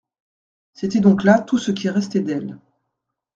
C'était donc là tout ce qui restait d'elle.